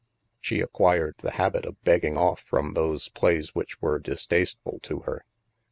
She acquired the habit of begging off from those plays which were distasteful to her.